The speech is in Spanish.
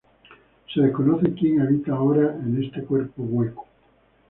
Se desconoce quien habita ahora en este cuerpo hueco.